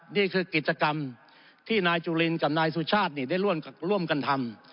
นี่คือกิจกรรมที่นายจุลินกับนายสุชาติได้ร่วมกันทำ